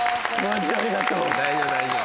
大丈夫大丈夫。